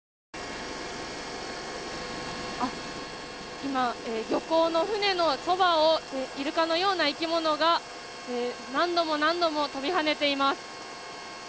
今、船のそばをイルカのような生き物が何度も何度も飛び跳ねています。